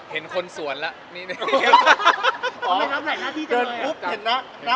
ตอนเข้าไปที่บ้านมองหน้ากันเรารู้สึกไง